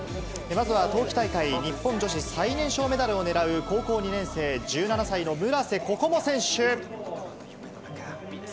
まずは冬季大会日本女子最年少メダルをねらう高校２年生、１７歳の村瀬心椛選手。